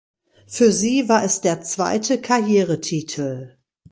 Für sie war es der zweite Karrieretitel.